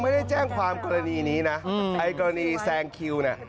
หนูก็บอกว่าหนูมาเฝ้าตั้งแต่๒ทุ่มครึ่งแล้ว